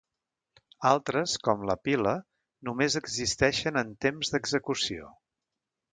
Altres, com la pila, només existeixen en temps d'execució.